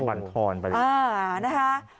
ปั่นพรไปเลยอ่านะฮะ